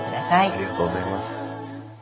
ありがとうございます。